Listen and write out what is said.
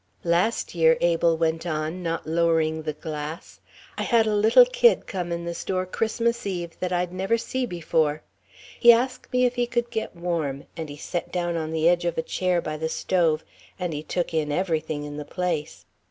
"Last year," Abel went on, not lowering the glass, "I had a little kid come in the store Christmas Eve, that I'd never see before. He ask' me if he could get warm and he set down on the edge of a chair by the stove, and he took in everything in the place.